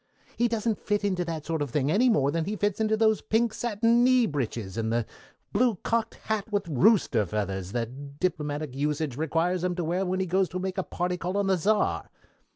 He doesn't fit into that sort of thing any more than he fits into those pink satin knee breeches, and the blue cocked hat with rooster feathers that diplomatic usage requires him to wear when he goes to make a party call on the Czar.